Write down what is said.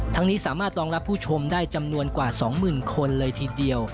นี้สามารถรองรับผู้ชมได้จำนวนกว่า๒๐๐๐คนเลยทีเดียว